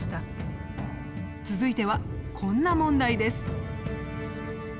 続いてはこんな問題です。